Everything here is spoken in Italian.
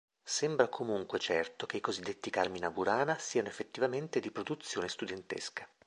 Sembra comunque certo che i cosiddetti "Carmina Burana" siano effettivamente di produzione studentesca.